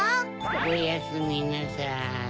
おやすみなさい。